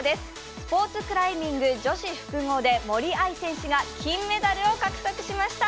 スポーツクライミング女子複合で森秋彩選手が金メダルを獲得しました。